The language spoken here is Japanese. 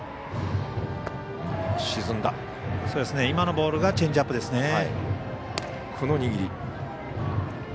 今のボールがチェンジアップですね。